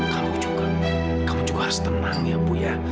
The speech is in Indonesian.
kamu juga kamu juga harus tenang ya bu ya